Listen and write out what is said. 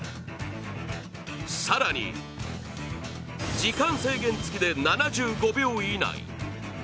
更に時間制限付きで７５秒以内。